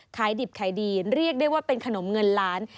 ขายดิบขายดีเรียกได้ว่าเป็นขนมเงินล้าน